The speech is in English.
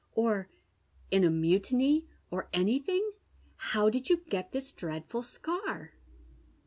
" Or in a^mutiny — or anything ? How did you get this dread ful scar